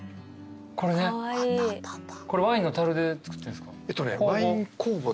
これワインの樽で造ってるんですか？